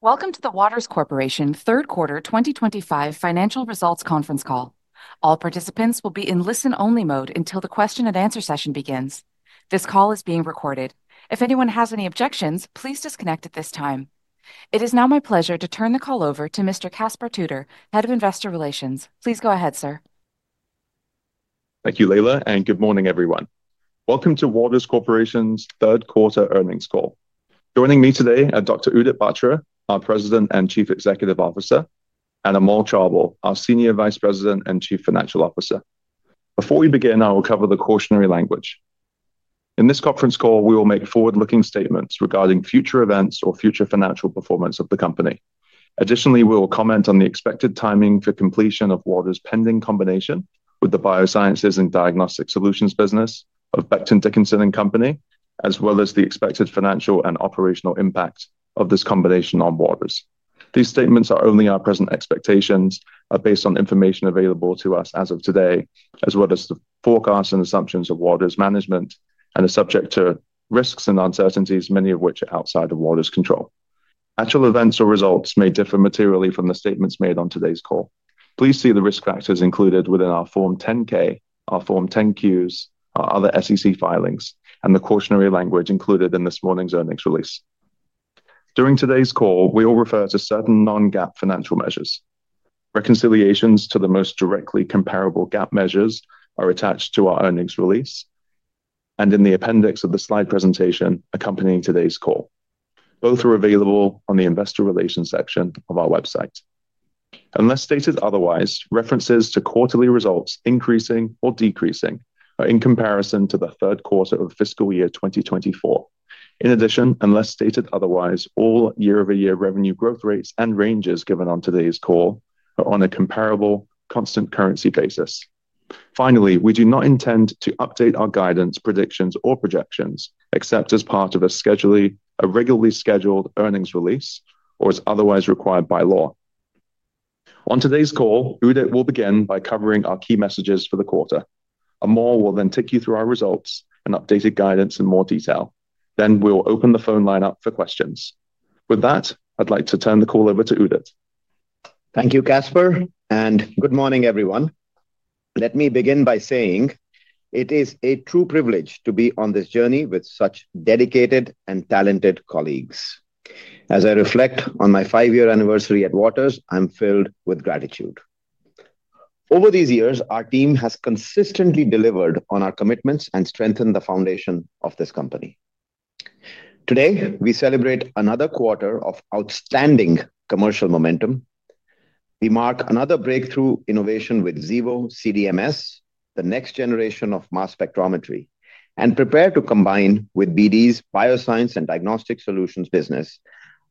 Welcome to the Waters Corporation Third Quarter 2025 Financial Results Conference Call. All participants will be in listen-only mode until the question-and-answer session begins. This call is being recorded. If anyone has any objections, please disconnect at this time. It is now my pleasure to turn the call over to Mr. Caspar Tudor, Head of Investor Relations. Please go ahead, sir. Thank you, Leila, and good morning, everyone. Welcome to Waters Corporation's Third Quarter Earnings Call. Joining me today are Dr. Udit Batra, our President and Chief Executive Officer, and Amol Chaubal, our Senior Vice President and Chief Financial Officer. Before we begin, I will cover the cautionary language. In this conference call, we will make forward-looking statements regarding future events or future financial performance of the company. Additionally, we will comment on the expected timing for completion of Waters' pending combination with the Biosciences & Diagnostic Solutions business of Becton, Dickinson and Company, as well as the expected financial and operational impact of this combination on Waters. These statements are only our present expectations, are based on information available to us as of today, as well as the forecasts and assumptions of Waters' management, and are subject to risks and uncertainties, many of which are outside of Waters' control. Actual events or results may differ materially from the statements made on today's call. Please see the risk factors included within our Form 10-K, our Form 10-Qs, our other SEC filings, and the cautionary language included in this morning's earnings release. During today's call, we will refer to certain non-GAAP financial measures. Reconciliations to the most directly comparable GAAP measures are attached to our earnings release and in the appendix of the slide presentation accompanying today's call. Both are available on the Investor Relations section of our website. Unless stated otherwise, references to quarterly results increasing or decreasing are in comparison to the third quarter of fiscal year 2024. In addition, unless stated otherwise, all year-over-year revenue growth rates and ranges given on today's call are on a comparable constant currency basis. Finally, we do not intend to update our guidance, predictions, or projections except as part of a regularly scheduled earnings release or as otherwise required by law. On today's call, Udit will begin by covering our key messages for the quarter. Amol will then take you through our results and updated guidance in more detail. Then we'll open the phone lineup for questions. With that, I'd like to turn the call over to Udit. Thank you, Caspar, and good morning, everyone. Let me begin by saying it is a true privilege to be on this journey with such dedicated and talented colleagues. As I reflect on my five-year anniversary at Waters, I'm filled with gratitude. Over these years, our team has consistently delivered on our commitments and strengthened the foundation of this company. Today, we celebrate another quarter of outstanding commercial momentum. We mark another breakthrough innovation with Xevo CDMS, the next generation of mass spectrometry, and prepare to combine with BD's Biosciences & Diagnostic Solutions business,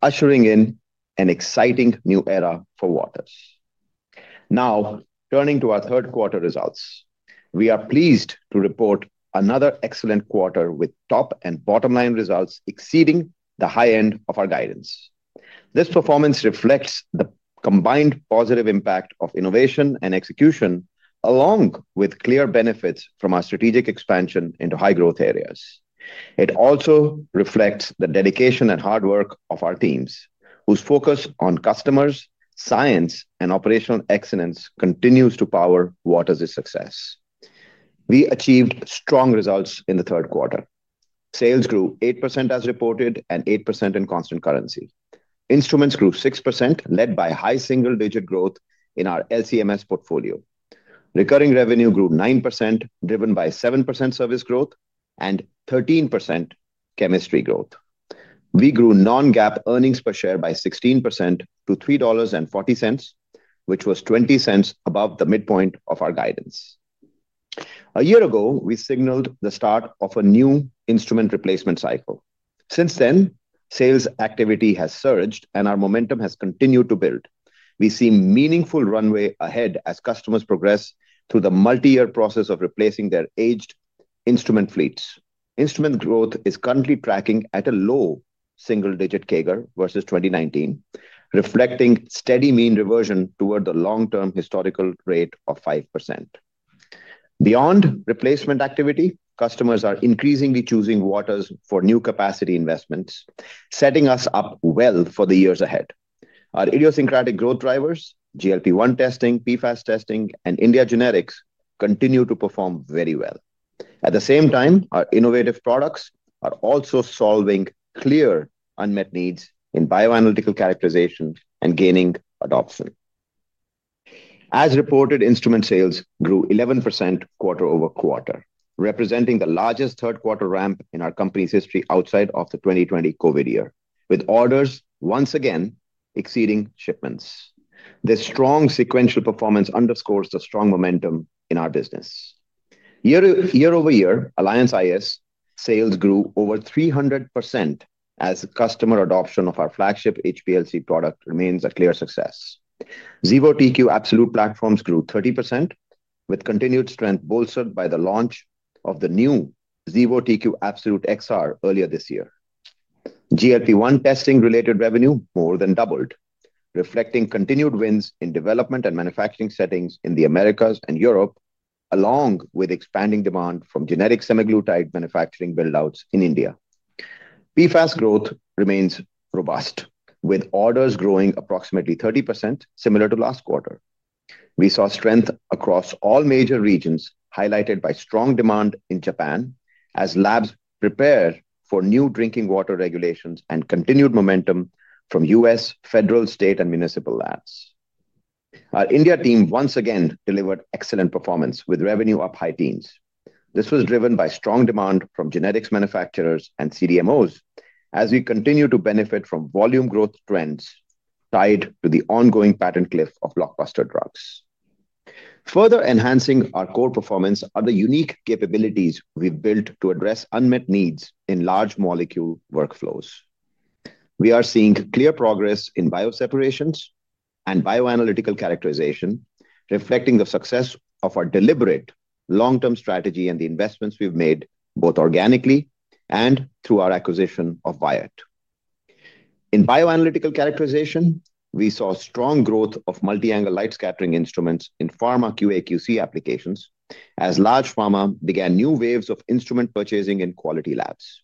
ushering in an exciting new era for Waters. Now, turning to our third quarter results, we are pleased to report another excellent quarter with top and bottom-line results exceeding the high end of our guidance. This performance reflects the combined positive impact of innovation and execution, along with clear benefits from our strategic expansion into high-growth areas. It also reflects the dedication and hard work of our teams, whose focus on customers, science, and operational excellence continues to power Waters' success. We achieved strong results in the third quarter. Sales grew 8% as reported and 8% in constant currency. Instruments grew 6%, led by high single-digit growth in our LC & MS portfolio. Recurring revenue grew 9%, driven by 7% service growth and 13% Chemistry growth. We grew non-GAAP earnings per share by 16% to $3.40, which was $0.20 above the midpoint of our guidance. A year ago, we signaled the start of a new instrument replacement cycle. Since then, sales activity has surged, and our momentum has continued to build. We see meaningful runway ahead as customers progress through the multi-year process of replacing their aged instrument fleets. Instrument growth is currently tracking at a low single-digit CAGR versus 2019, reflecting steady mean reversion toward the long-term historical rate of 5%. Beyond replacement activity, customers are increasingly choosing Waters for new capacity investments, setting us up well for the years ahead. Our idiosyncratic growth drivers, GLP-1 testing, PFAS testing, and India Generics continue to perform very well. At the same time, our innovative products are also solving clear unmet needs in bioanalytical characterization and gaining adoption. As reported, instrument sales grew 11% quarter over quarter, representing the largest third-quarter ramp in our company's history outside of the 2020 COVID year, with orders once again exceeding shipments. This strong sequential performance underscores the strong momentum in our business. Year-overyear, Alliance iS sales grew over 300% as customer adoption of our flagship HPLC product remains a clear success. Xevo TQ Absolute platforms grew 30%, with continued strength bolstered by the launch of the new Xevo TQ Absolute XR earlier this year. GLP-1 testing-related revenue more than doubled, reflecting continued wins in development and manufacturing settings in the Americas and Europe, along with expanding demand from generic semaglutide manufacturing buildouts in India. PFAS growth remains robust, with orders growing approximately 30%, similar to last quarter. We saw strength across all major regions, highlighted by strong demand in Japan as labs prepare for new drinking water regulations and continued momentum from U.S. federal, state, and municipal labs. Our India team once again delivered excellent performance, with revenue up high teens. This was driven by strong demand from generics manufacturers and CDMOs, as we continue to benefit from volume growth trends tied to the ongoing patent cliff of blockbuster drugs. Further enhancing our core performance are the unique capabilities we've built to address unmet needs in large molecule workflows. We are seeing clear progress in bioseparations and bioanalytical characterization, reflecting the success of our deliberate long-term strategy and the investments we've made both organically and through our acquisition of Wyatt. In bioanalytical characterization, we saw strong growth of multi-angle light scattering instruments in pharma QA/QC applications, as large pharma began new waves of instrument purchasing in quality labs.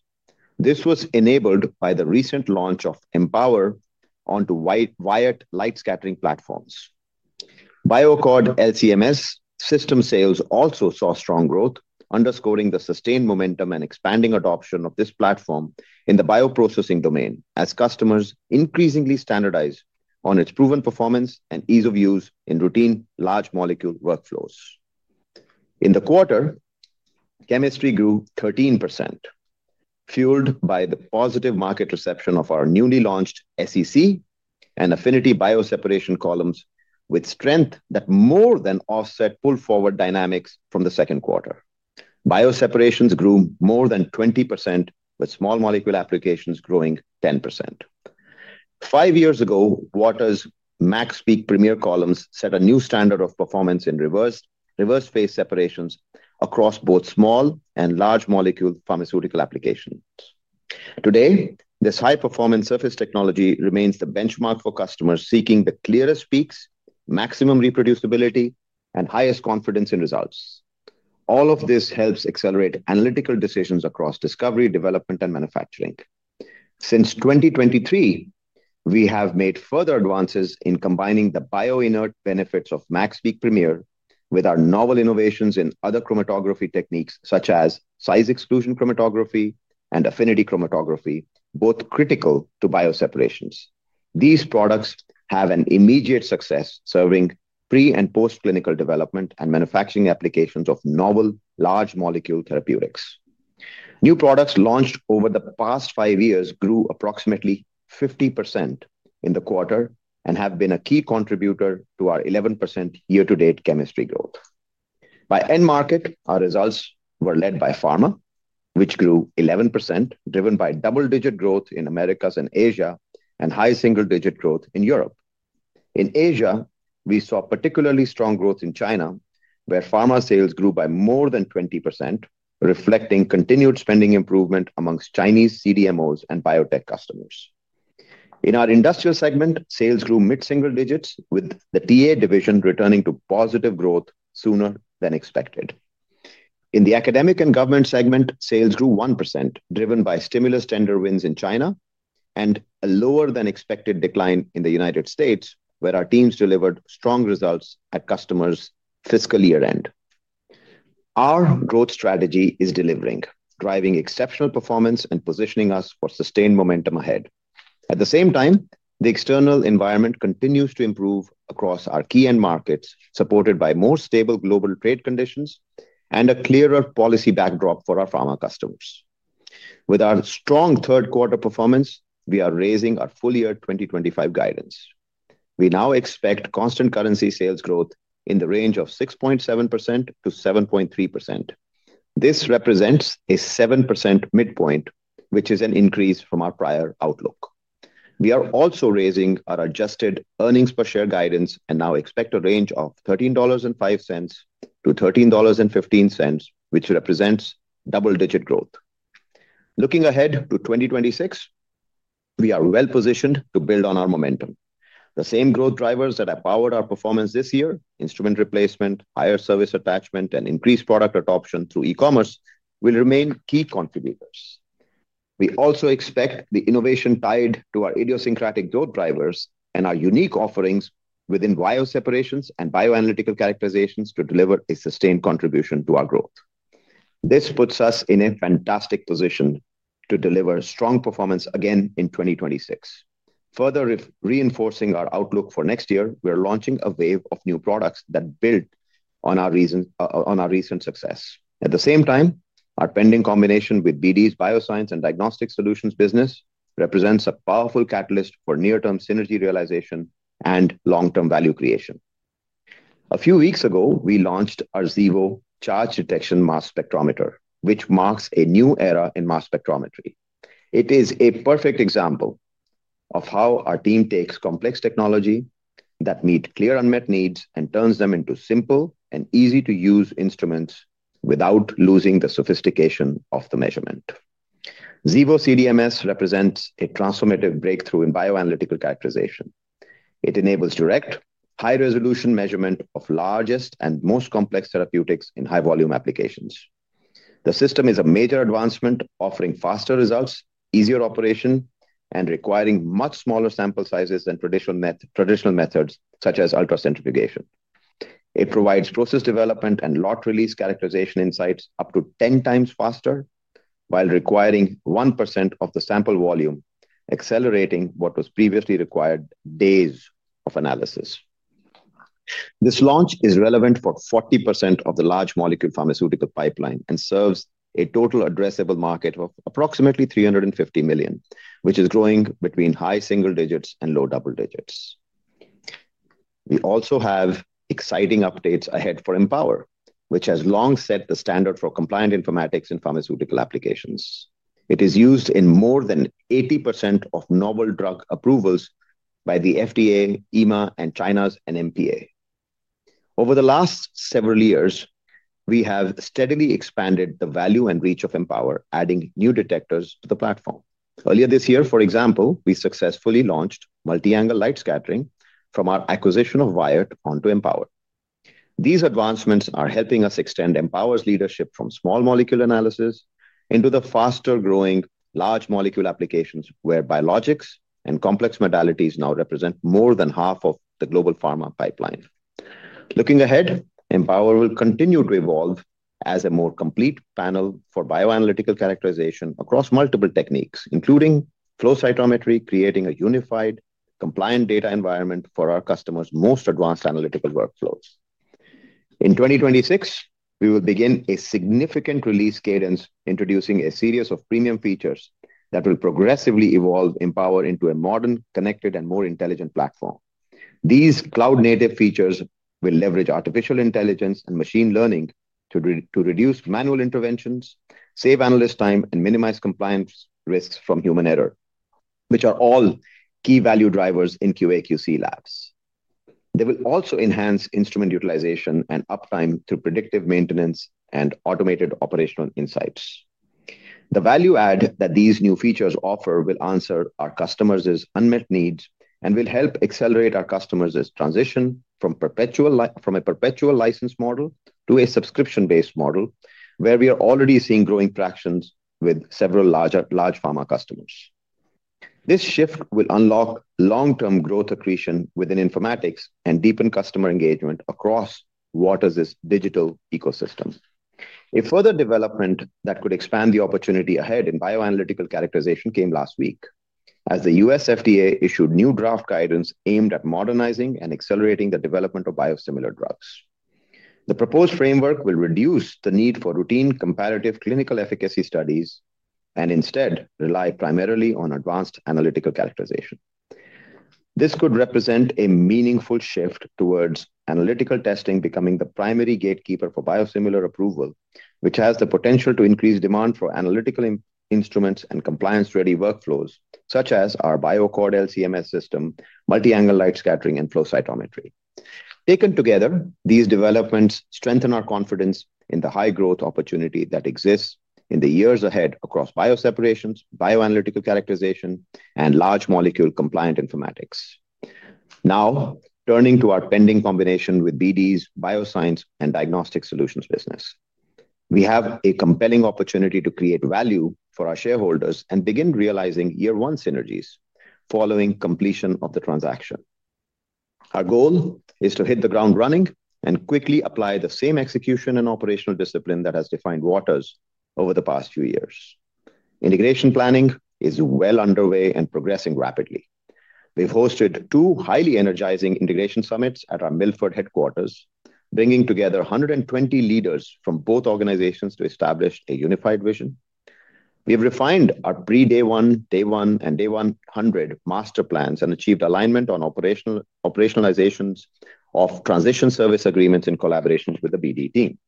This was enabled by the recent launch of Empower onto Wyatt light scattering platforms. BioAccord LC-MS system sales also saw strong growth, underscoring the sustained momentum and expanding adoption of this platform in the bioprocessing domain, as customers increasingly standardized on its proven performance and ease of use in routine large molecule workflows. In the quarter, Chemistry grew 13%, fueled by the positive market reception of our newly launched SEC and Affinity bioseparation columns, with strength that more than offset pull-forward dynamics from the second quarter. Bioseparations grew more than 20%, with small molecule applications growing 10%. Five years ago, Waters' MaxPeak Premier columns set a new standard of performance in reverse phase separations across both small and large molecule pharmaceutical applications. Today, this high-performance surface technology remains the benchmark for customers seeking the clearest peaks, maximum reproducibility, and highest confidence in results. All of this helps accelerate analytical decisions across discovery, development, and manufacturing. Since 2023, we have made further advances in combining the bioinert benefits of MaxPeak Premier with our novel innovations in other chromatography techniques, such as size exclusion chromatography and Affinity chromatography, both critical to bioseparations. These products have had immediate success, serving pre- and post-clinical development and manufacturing applications of novel large molecule therapeutics. New products launched over the past five years grew approximately 50% in the quarter and have been a key contributor to our 11% year-to-date Chemistry growth. By end market, our results were led by Pharma, which grew 11%, driven by double-digit growth in Americas and Asia and high single-digit growth in Europe. In Asia, we saw particularly strong growth in China, where Pharma sales grew by more than 20%, reflecting continued spending improvement amongst Chinese CDMOs and biotech customers. In our Industrial segment, sales grew mid-single digits, with the TA Division returning to positive growth sooner than expected. In the academic and government segment, sales grew 1%, driven by stimulus tender wins in China and a lower-than-expected decline in the United States, where our teams delivered strong results at customers' fiscal year-end. Our growth strategy is delivering, driving exceptional performance and positioning us for sustained momentum ahead. At the same time, the external environment continues to improve across our key end markets, supported by more stable global trade conditions and a clearer policy backdrop for our Pharma customers. With our strong third-quarter performance, we are raising our full-year 2025 guidance. We now expect constant currency sales growth in the range of 6.7%-7.3%. This represents a 7% midpoint, which is an increase from our prior outlook. We are also raising our adjusted earnings per share guidance and now expect a range of $13.05-$13.15, which represents double-digit growth. Looking ahead to 2026. We are well-positioned to build on our momentum. The same growth drivers that have powered our performance this year—instrument replacement, higher service attachment, and increased product adoption through e-commerce—will remain key contributors. We also expect the innovation tied to our idiosyncratic growth drivers and our unique offerings within bioseparations and bioanalytical characterizations to deliver a sustained contribution to our growth. This puts us in a fantastic position to deliver strong performance again in 2026. Further reinforcing our outlook for next year, we are launching a wave of new products that build on our recent success. At the same time, our pending combination with BD's Bioscience & Diagnostic Solutions business represents a powerful catalyst for near-term synergy realization and long-term value creation. A few weeks ago, we launched our Xevo Charge Detection Mass Spectrometer, which marks a new era in mass spectrometry. It is a perfect example of how our team takes complex technology that meets clear unmet needs and turns them into simple and easy-to-use instruments without losing the sophistication of the measurement. Xevo CDMS represents a transformative breakthrough in bioanalytical characterization. It enables direct, high-resolution measurement of largest and most complex therapeutics in high-volume applications. The system is a major advancement, offering faster results, easier operation, and requiring much smaller sample sizes than traditional methods such as ultracentrifugation. It provides process development and lot release characterization insights up to 10x faster while requiring 1% of the sample volume, accelerating what was previously required days of analysis. This launch is relevant for 40% of the large molecule pharmaceutical pipeline and serves a total addressable market of approximately $350 million, which is growing between high single digits and low double digits. We also have exciting updates ahead for Empower, which has long set the standard for compliant informatics in pharmaceutical applications. It is used in more than 80% of novel drug approvals by the FDA, EMA, and China's NMPA. Over the last several years, we have steadily expanded the value and reach of Empower, adding new detectors to the platform. Earlier this year, for example, we successfully launched multi-angle light scattering from our acquisition of Wyatt onto Empower. These advancements are helping us extend Empower's leadership from small molecule analysis into the faster-growing large molecule applications, where biologics and complex modalities now represent more than half of the global pharma pipeline. Looking ahead, Empower will continue to evolve as a more complete panel for bioanalytical characterization across multiple techniques, including flow cytometry, creating a unified, compliant data environment for our customers' most advanced analytical workflows. In 2026, we will begin a significant release cadence, introducing a series of premium features that will progressively evolve Empower into a modern, connected, and more intelligent platform. These cloud-native features will leverage artificial intelligence and machine learning to reduce manual interventions, save analyst time, and minimize compliance risks from human error, which are all key value drivers in QA/QC labs. They will also enhance instrument utilization and uptime through predictive maintenance and automated operational insights. The value add that these new features offer will answer our customers' unmet needs and will help accelerate our customers' transition from a perpetual license model to a subscription-based model, where we are already seeing growing tractions with several large pharma customers. This shift will unlock long-term growth accretion within informatics and deepen customer engagement across Waters' digital ecosystem. A further development that could expand the opportunity ahead in bioanalytical characterization came last week, as the U.S. FDA issued new draft guidance aimed at modernizing and accelerating the development of biosimilar drugs. The proposed framework will reduce the need for routine comparative clinical efficacy studies and instead rely primarily on advanced analytical characterization. This could represent a meaningful shift towards analytical testing becoming the primary gatekeeper for biosimilar approval, which has the potential to increase demand for analytical instruments and compliance-ready workflows, such as our BioAccord LC-MS system, multi-angle light scattering, and flow cytometry. Taken together, these developments strengthen our confidence in the high-growth opportunity that exists in the years ahead across bioseparations, bioanalytical characterization, and large molecule compliant informatics. Now, turning to our pending combination with BD's Bioscience & Diagnostic Solutions business, we have a compelling opportunity to create value for our shareholders and begin realizing year-one synergies following completion of the transaction. Our goal is to hit the ground running and quickly apply the same execution and operational discipline that has defined Waters over the past few years. Integration planning is well underway and progressing rapidly. We've hosted two highly energizing integration summits at our Milford headquarters, bringing together 120 leaders from both organizations to establish a unified vision. We have refined our pre-day one, day one, and day 100 master plans and achieved alignment on operationalizations of transition service agreements in collaboration with the BD team.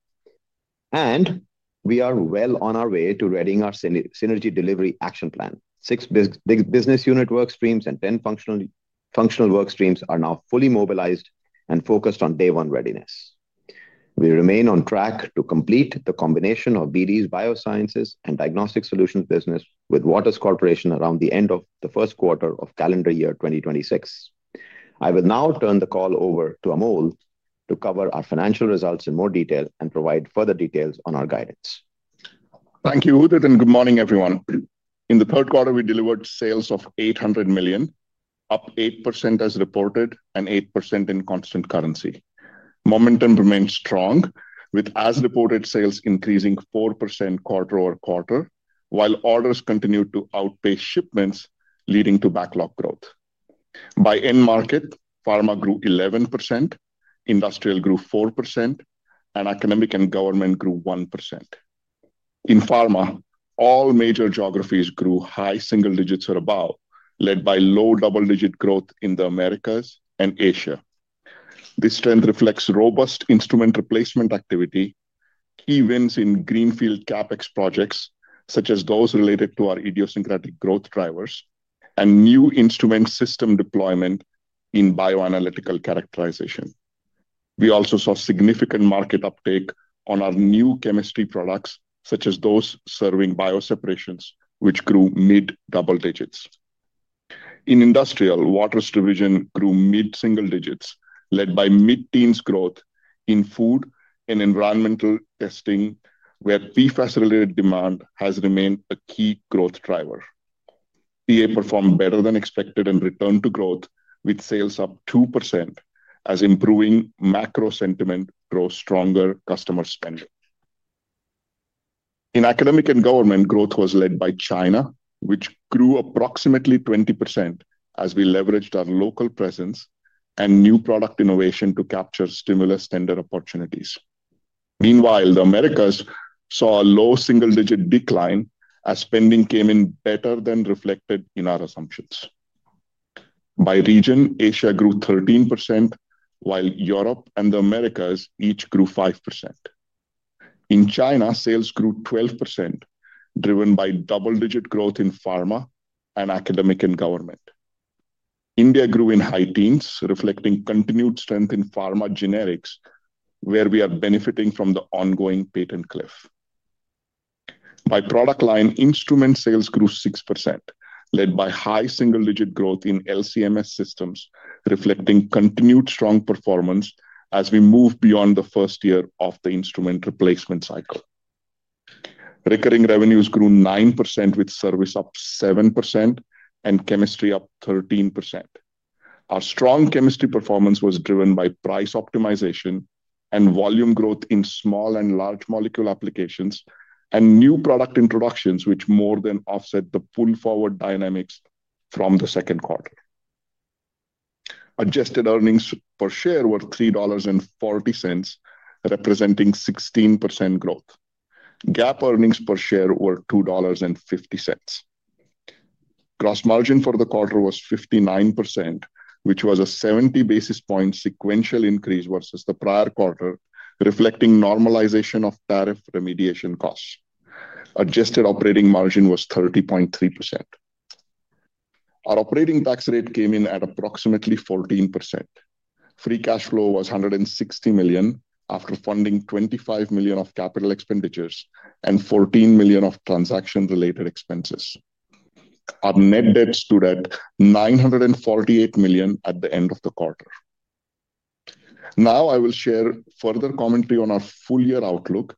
We are well on our way to readying our synergy delivery action plan. Six business unit workstreams and 10 functional workstreams are now fully mobilized and focused on day-one readiness. We remain on track to complete the combination of BD's Biosciences & Diagnostic Solutions business with Waters Corporation around the end of the first quarter of calendar year 2026. I will now turn the call over to Amol to cover our financial results in more detail and provide further details on our guidance. Thank you, Udit, and good morning, everyone. In the third quarter, we delivered sales of $800 million, up 8% as reported and 8% in constant currency. Momentum remained strong, with as-reported sales increasing 4% quarter-over-quarter, while orders continued to outpace shipments, leading to backlog growth. By end market, Pharma grew 11%. Industrial grew 4%, and academic and government grew 1%. In Pharma, all major geographies grew high single digits or above, led by low double-digit growth in the Americas and Asia. This trend reflects robust instrument replacement activity, key wins in greenfield CapEx projects such as those related to our idiosyncratic growth drivers, and new instrument system deployment in bioanalytical characterization. We also saw significant market uptake on our new Chemistry products, such as those serving bioseparations, which grew mid-double digits. In Industrial, Waters Division grew mid-single digits, led by mid-teens growth in Food & Environmental testing, where pre-facilitated demand has remained a key growth driver. BD performed better than expected and returned to growth, with sales up 2% as improving macro sentiment drove stronger customer spending. In Academic & Government, growth was led by China, which grew approximately 20% as we leveraged our local presence and new product innovation to capture stimulus tender opportunities. Meanwhile, the Americas saw a low single-digit decline as spending came in better than reflected in our assumptions. By region, Asia grew 13%, while Europe and the Americas each grew 5%. In China, sales grew 12%, driven by double-digit growth in Pharma and Academic & Government. India grew in high teens, reflecting continued strength in Pharma Generics, where we are benefiting from the ongoing patent cliff. By product line, Instrument sales grew 6%, led by high single-digit growth in LC-MS systems, reflecting continued strong performance as we move beyond the first year of the instrument replacement cycle. Recurring revenues grew 9%, with service up 7% and Chemistry up 13%. Our strong Chemistry performance was driven by price optimization and volume growth in small and large molecule applications and new product introductions, which more than offset the pull-forward dynamics from the second quarter. Adjusted earnings per share were $3.40, representing 16% growth. GAAP earnings per share were $2.50. Gross margin for the quarter was 59%, which was a 70 basis point sequential increase versus the prior quarter, reflecting normalization of tariff remediation costs. Adjusted operating margin was 30.3%. Our operating tax rate came in at approximately 14%. Free cash flow was $160 million after funding $25 million of capital expenditures and $14 million of transaction-related expenses. Our net debt stood at $948 million at the end of the quarter. Now, I will share further commentary on our full year outlook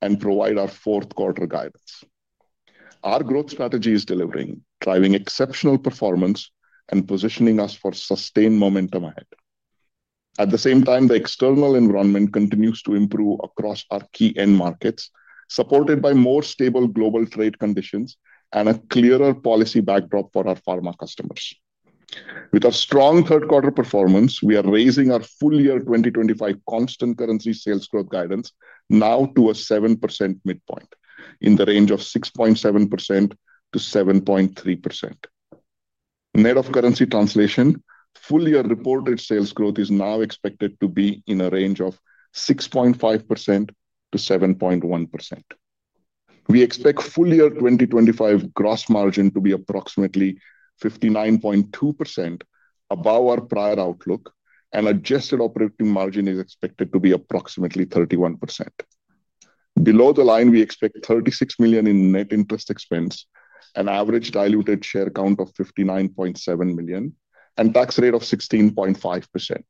and provide our fourth quarter guidance. Our growth strategy is delivering, driving exceptional performance and positioning us for sustained momentum ahead. At the same time, the external environment continues to improve across our key end markets, supported by more stable global trade conditions and a clearer policy backdrop for our Pharma customers. With our strong third quarter performance, we are raising our full year 2025 constant currency sales growth guidance now to a 7% midpoint in the range of 6.7%-7.3%. Net of currency translation, full year reported sales growth is now expected to be in a range of 6.5%-7.1%. We expect full year 2025 gross margin to be approximately 59.2% above our prior outlook, and adjusted operating margin is expected to be approximately 31%. Below the line, we expect $36 million in net interest expense, an average diluted share count of 59.7 million, and a tax rate of 16.5%.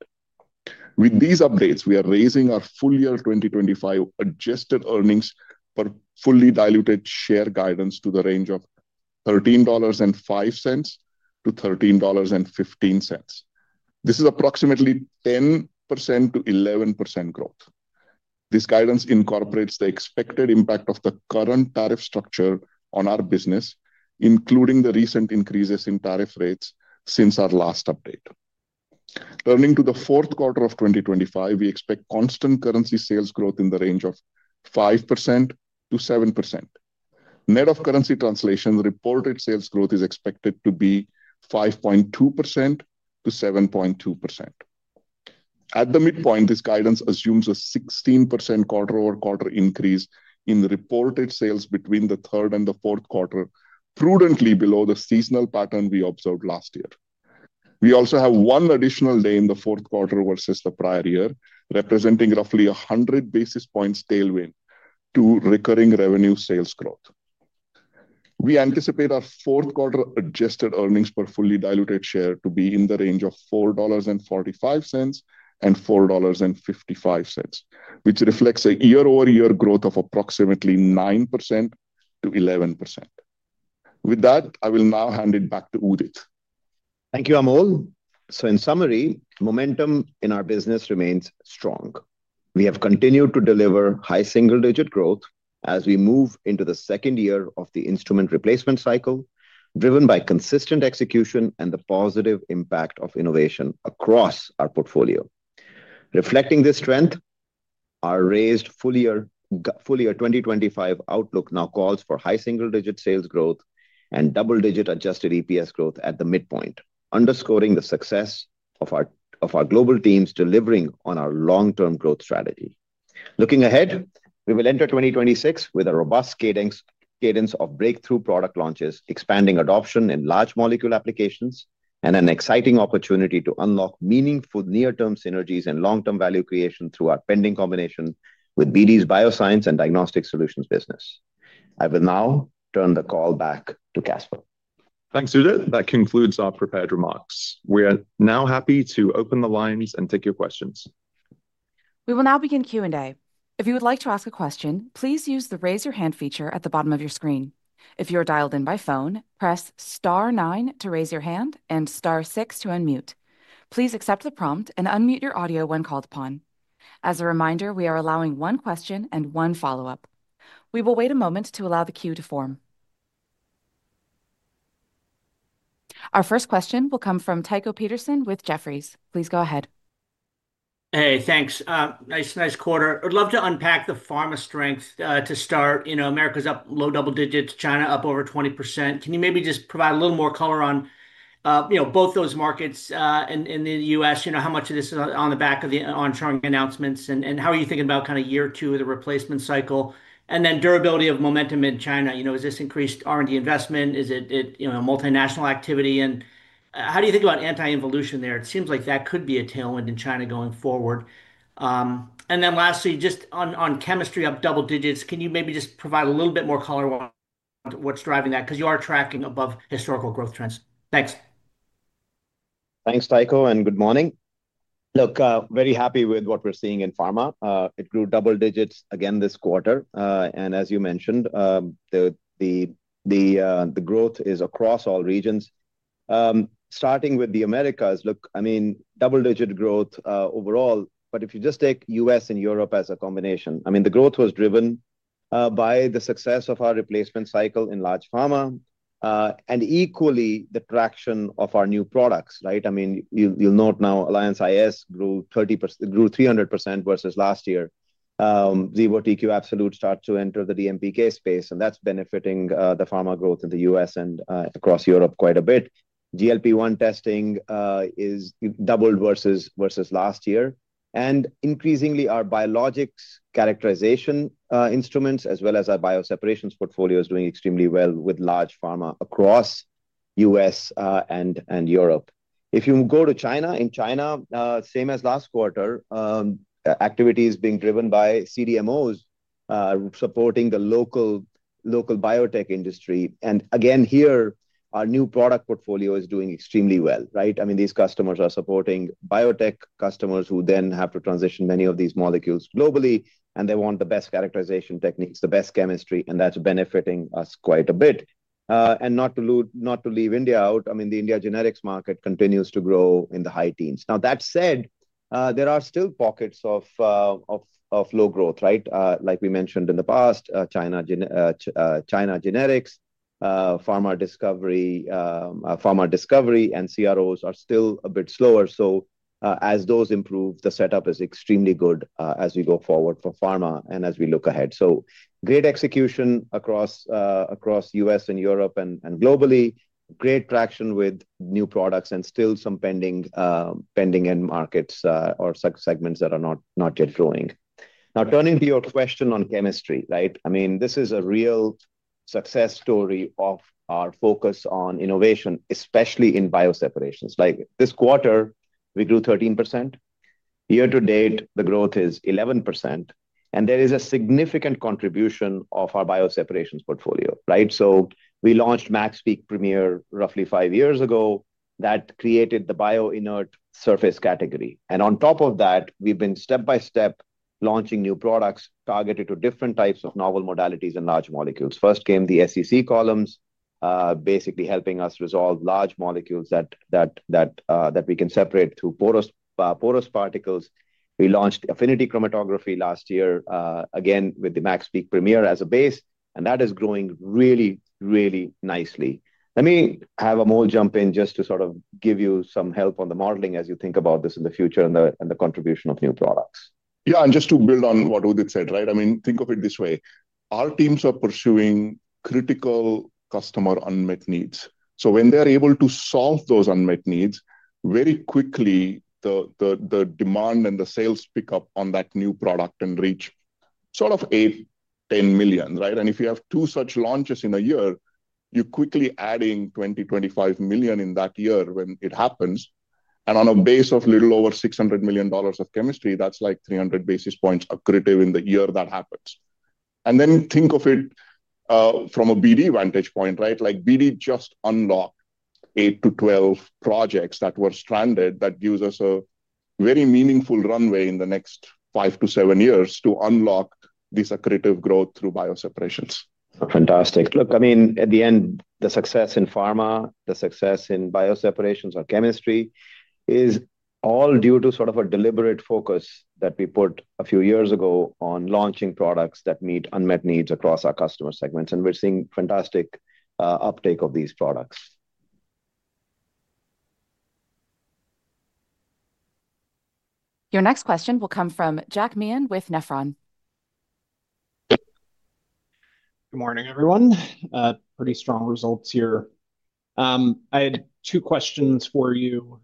With these updates, we are raising our full year 2025 adjusted earnings per fully diluted share guidance to the range of $13.05-$13.15. This is approximately 10%-11% growth. This guidance incorporates the expected impact of the current tariff structure on our business, including the recent increases in tariff rates since our last update. Turning to the fourth quarter of 2025, we expect constant currency sales growth in the range of 5%-7%. Net of currency translation, reported sales growth is expected to be 5.2%-7.2%. At the midpoint, this guidance assumes a 16% quarter-over-quarter increase in reported sales between the third and the fourth quarter, prudently below the seasonal pattern we observed last year. We also have one additional day in the fourth quarter versus the prior year, representing roughly 100 basis points tailwind to recurring revenue sales growth. We anticipate our fourth quarter adjusted earnings per fully diluted share to be in the range of $4.45-$4.55, which reflects a year-over-year growth of approximately 9%-11%. With that, I will now hand it back to Udit. Thank you, Amol. In summary, momentum in our business remains strong. We have continued to deliver high single-digit growth as we move into the second year of the instrument replacement cycle, driven by consistent execution and the positive impact of innovation across our portfolio. Reflecting this strength, our raised full year 2025 outlook now calls for high single-digit sales growth and double-digit adjusted EPS growth at the midpoint, underscoring the success of our global teams delivering on our long-term growth strategy. Looking ahead, we will enter 2026 with a robust cadence of breakthrough product launches, expanding adoption in large molecule applications, and an exciting opportunity to unlock meaningful near-term synergies and long-term value creation through our pending combination with BD's Bioscience & Diagnostic Solutions business. I will now turn the call back to Caspar. Thanks, Udit. That concludes our prepared remarks. We are now happy to open the lines and take your questions. We will now begin Q&A. If you would like to ask a question, please use the raise-your-hand feature at the bottom of your screen. If you are dialed in by phone, press star nine to raise your hand and star six to unmute. Please accept the prompt and unmute your audio when called upon. As a reminder, we are allowing one question and one follow-up. We will wait a moment to allow the queue to form. Our first question will come from Tycho Peterson with Jefferies. Please go ahead. Hey, thanks. Nice, nice quarter. I'd love to unpack the Pharma strength to start. Americas up low double digits, China up over 20%. Can you maybe just provide a little more color on both those markets in the U.S.? How much of this is on the back of the on-charge announcements? How are you thinking about kind of year two of the replacement cycle? Durability of momentum in China, is this increased R&D investment? Is it a multinational activity? How do you think about anti-involution there? It seems like that could be a tailwind in China going forward. Lastly, just on Chemistry up double digits, can you maybe just provide a little bit more color on what's driving that? Because you are tracking above historical growth trends. Thanks. Thanks, Tycho, and good morning. Look, very happy with what we're seeing in Pharma. It grew double digits again this quarter. As you mentioned, the growth is across all regions. Starting with the Americas, look, I mean, double-digit growth overall. If you just take U.S. and Europe as a combination, I mean, the growth was driven by the success of our replacement cycle in large Pharma and equally the traction of our new products. You'll note now Alliance iS grew 30% versus last year. Xevo TQ Absolute starts to enter the DMPK space, and that's benefiting the Pharma growth in the U.S. and across Europe quite a bit. GLP-1 testing is doubled versus last year. Increasingly, our biologics characterization instruments, as well as our bioseparations portfolio, is doing extremely well with large pharma across U.S. and Europe. If you go to China, in China, same as last quarter, activity is being driven by CDMOs supporting the local biotech industry. Again, here, our new product portfolio is doing extremely well. These customers are supporting biotech customers who then have to transition many of these molecules globally, and they want the best characterization techniques, the best chemistry, and that's benefiting us quite a bit. Not to leave India out, the India generics market continues to grow in the high teens. That said, there are still pockets of low growth. Like we mentioned in the past, China generics, Pharma discovery, and CROs are still a bit slower. As those improve, the setup is extremely good as we go forward for Pharma and as we look ahead. Great execution across the U.S. and Europe and globally, great traction with new products and still some pending end markets or segments that are not yet growing. Now, turning to your question on Chemistry, I mean, this is a real success story of our focus on innovation, especially in bioseparations. This quarter, we grew 13%. Year to date, the growth is 11%. There is a significant contribution of our bioseparations portfolio. We launched MaxPeak Premier roughly five years ago. That created the bioinert surface category. On top of that, we have been step by step launching new products targeted to different types of novel modalities and large molecules. First came the SEC columns, basically helping us resolve large molecules that we can separate through porous particles. We launched Affinity chromatography last year, again, with the MaxPeak Premier as a base, and that is growing really, really nicely. Let me have Amol jump in just to sort of give you some help on the modeling as you think about this in the future and the contribution of new products. Yeah, and just to build on what Udit said, I mean, think of it this way. Our teams are pursuing critical customer unmet needs. When they are able to solve those unmet needs, very quickly, the demand and the sales pick up on that new product and reach sort of $8 million-$10 million. If you have two such launches in a year, you are quickly adding $20 million-$25 million in that year when it happens. On a base of a little over $600 million of Chemistry, that is like 300 basis points accredited in the year that happens. Then think of it from a BD vantage point. BD just unlocked 8-12 projects that were stranded that gives us a very meaningful runway in the next five to seven years to unlock this accredited growth through bioseparations. Fantastic. Look, I mean, at the end, the success in Pharma, the success in bioseparations or Chemistry is all due to sort of a deliberate focus that we put a few years ago on launching products that meet unmet needs across our customer segments. We are seeing fantastic uptake of these products. Your next question will come from Jack Meehan with Nephron. Good morning, everyone. Pretty strong results here. I had two questions for you.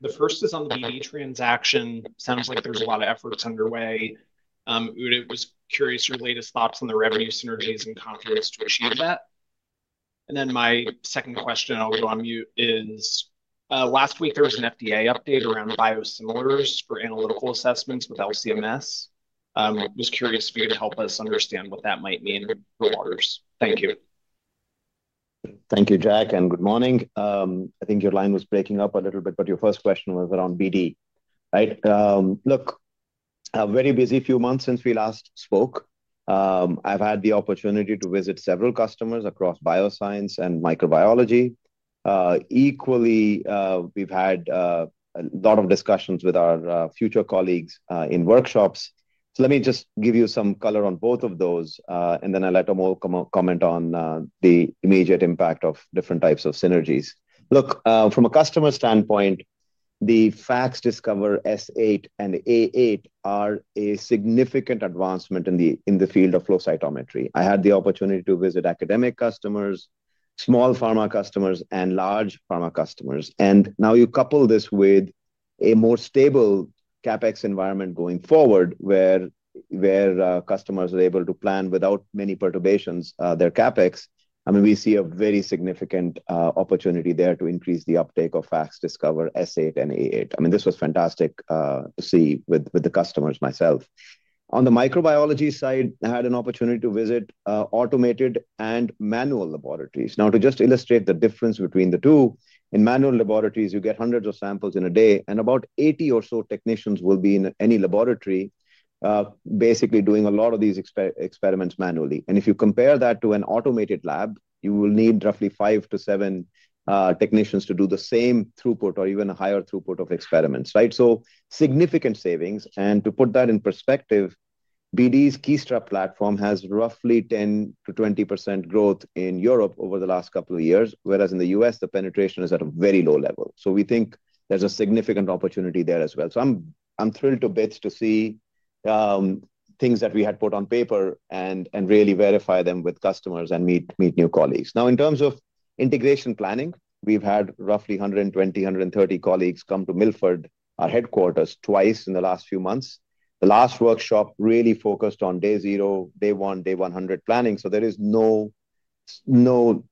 The first is on the BD transaction. Sounds like there is a lot of efforts underway. I was curious your latest thoughts on the revenue synergies and confidence to achieve that. My second question, I will go on mute, is last week, there was an FDA update around biosimilars for analytical assessments with LC-MS. I was curious for you to help us understand what that might mean for Waters. Thank you. Thank you, Jack, and good morning. I think your line was breaking up a little bit, but your first question was around BD. Look. A very busy few months since we last spoke. I've had the opportunity to visit several customers across bioscience and microbiology. Equally, we've had a lot of discussions with our future colleagues in workshops. Let me just give you some color on both of those, and then I'll let Amol comment on the immediate impact of different types of synergies. Look, from a customer standpoint, the BD FACSDiscover S8 and A8 are a significant advancement in the field of flow cytometry. I had the opportunity to visit academic customers, small Pharma customers, and large Pharma customers. Now you couple this with a more stable CapEx environment going forward where customers are able to plan without many perturbations their CapEx. I mean, we see a very significant opportunity there to increase the uptake of BD FACSDiscover S8 and A8. I mean, this was fantastic to see with the customers myself. On the microbiology side, I had an opportunity to visit automated and manual laboratories. To just illustrate the difference between the two, in manual laboratories, you get hundreds of samples in a day, and about 80 or so technicians will be in any laboratory, basically doing a lot of these experiments manually. If you compare that to an automated lab, you will need roughly five to seven technicians to do the same throughput or even a higher throughput of experiments. Significant savings. To put that in perspective, BD's Kiestra platform has roughly 10%-20% growth in Europe over the last couple of years, whereas in the U.S., the penetration is at a very low level. We think there's a significant opportunity there as well. I'm thrilled to bits to see things that we had put on paper and really verify them with customers and meet new colleagues. In terms of integration planning, we've had roughly 120-130 colleagues come to Milford, our headquarters, twice in the last few months. The last workshop really focused on day zero, day one, day 100 planning, so there is nothing